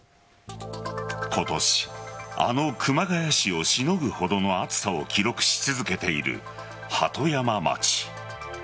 今年、あの熊谷市をしのぐほどの暑さを記録し続けている鳩山町。